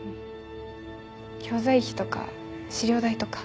教材費とか資料代とか。